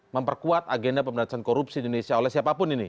memperkuat agenda pemerintahan korupsi indonesia oleh siapapun ini